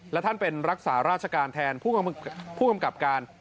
และท่านเป็นรักษาราชการแทนผู้กำกับการ